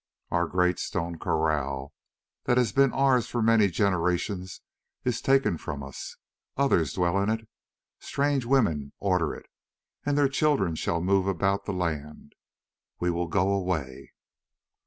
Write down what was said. Our great stone kraal that has been ours for many generations is taken from us, others dwell in it, strange women order it, and their children shall move about the land. We will go away.